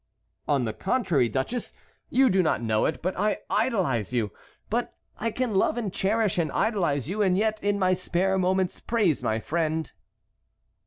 "On the contrary, duchess, you do not know it, but I idolize you. But I can love and cherish and idolize you, and yet in my spare moments praise my friend."